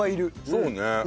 そうね。